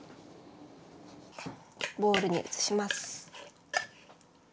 ボウルに移します。